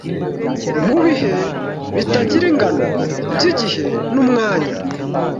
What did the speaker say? mubihe bitagira ingano byigihe n'umwanya